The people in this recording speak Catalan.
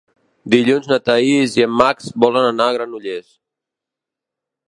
Dilluns na Thaís i en Max volen anar a Granollers.